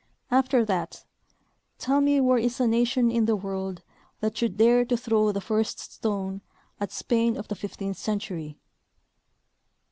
After that, tell me Avhere is a nation in the Avorld that should dare to throw the first stone at Spain of the fifteenth century